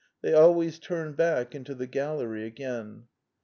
They always turn back into the gallery again.